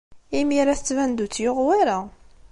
Imir-a, tettban-d ur tt-yuɣ wara.